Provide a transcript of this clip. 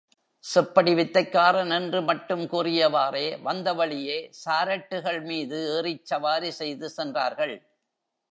செப்படி வித்தைக் காரன் என்று மட்டும் கூறியவாறே வந்த வழியே சாரட்டுகள் மீது ஏறிச் சவாரி செய்து சென்றார்கள்.